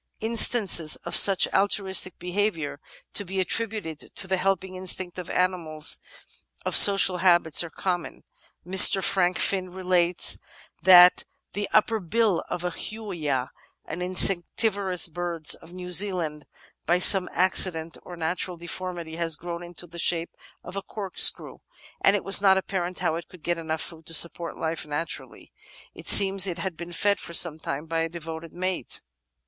Instances of such altruistic behaviour, to be attributed to the helping instinct in animals of social habits, are common. Mr. Frank Finn relates that the upper bill of a Huia, an insectivorous bird of New Zealand, by some accident or natural deformity had grown into the shape of a corkscrew, and it was not apparent how it could get enough food to support life naturally. It seems it had been fed for some time by a devoted mate.